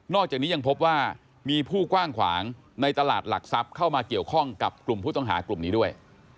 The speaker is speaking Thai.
อกจากนี้ยังพบว่ามีผู้กว้างขวางในตลาดหลักทรัพย์เข้ามาเกี่ยวข้องกับกลุ่มผู้ต้องหากลุ่มนี้ด้วย